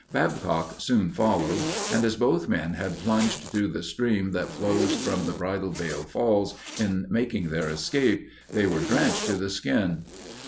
Babcock soon followed, and as both men had plunged through the stream that flows from the Bridal Veil Falls in making their escape, they were drenched to the skin.